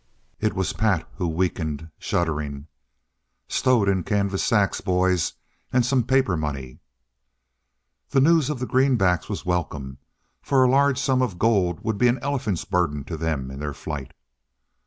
It was Pat who weakened, shuddering. "Stowed in canvas sacks, boys. And some paper money." The news of the greenbacks was welcome, for a large sum of gold would be an elephant's burden to them in their flight.